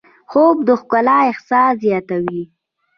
خوب د ښکلا احساس زیاتوي